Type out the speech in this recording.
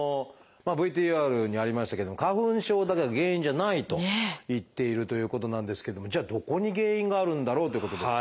ＶＴＲにありましたけども花粉症だけが原因じゃないといっているということなんですけどもじゃあどこに原因があるんだろうということですが。